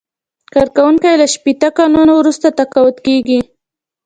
کارکوونکی له شپیته کلونو وروسته تقاعد کیږي.